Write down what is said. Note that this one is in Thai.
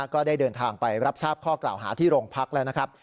ก็ได้เดินทางไปรับทราบข้อกล่าวหาที่โรงพักแล้วนะครับ